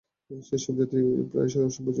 সেই-সব জাতি প্রায়শ অসভ্য ছিল।